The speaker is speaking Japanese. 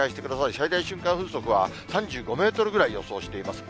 最大瞬間風速は３５メートルぐらい予想しています。